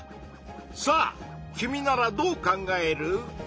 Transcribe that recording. さあ君ならどう考える？